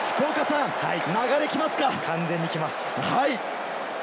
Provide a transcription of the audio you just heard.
完全に来ます。